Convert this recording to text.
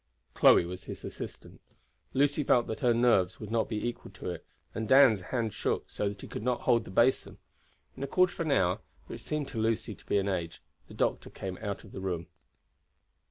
Chloe was his assistant. Lucy felt that her nerves would not be equal to it, and Dan's hand shook so that he could not hold the basin. In a quarter of an hour, which seemed to Lucy to be an age, the doctor came out of the room.